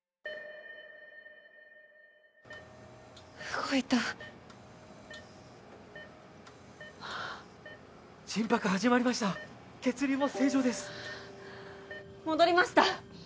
動いた・心拍始まりました血流も正常です戻りました